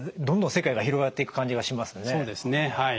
どんどん世界が広がっていく感じがしますね。